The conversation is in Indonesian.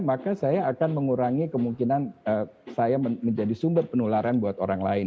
maka saya akan mengurangi kemungkinan saya menjadi sumber penularan buat orang lain